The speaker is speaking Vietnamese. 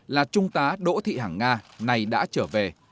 là trung tá đỗ thị hằng nga này đã trở về